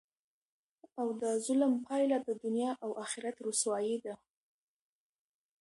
او دظلم پایله د دنیا او اخرت رسوايي ده،